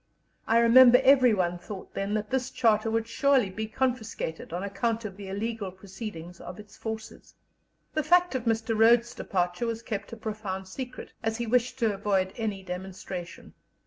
I remember everyone thought then that this Charter would surely be confiscated, on account of the illegal proceedings of its forces. The fact of Mr. Rhodes's departure was kept a profound secret, as he wished to avoid any demonstration.